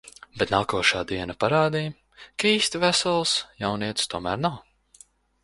Bet nākošā diena parādīja, ka īsti vesels jaunietis tomēr nav.